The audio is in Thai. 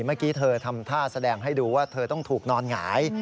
เมื่อกี้เธอทำท่าแสดงให้ดูว่าเธอต้องถูกนอนหงาย